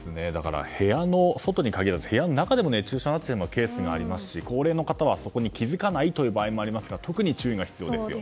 部屋の外に限らず部屋の中でも熱中症になってしまうケースがありますし高齢の方はそこに気づかない場合もありますから特に注意が必要ですよね。